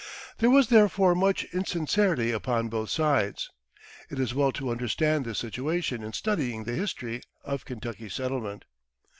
There was therefore much insincerity upon both sides. It is well to understand this situation in studying the history of Kentucky settlement.